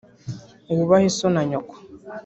“Wubahe so na nyoko.”